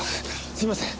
すいません。